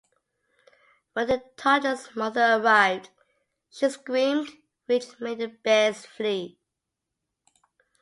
When the toddler's mother arrived, she screamed, which made the bears flee.